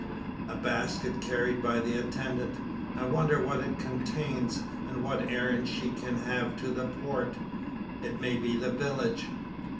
A basket carried by the attendant. I wonder what it contains; and what errand she can have to the Port it may be the village.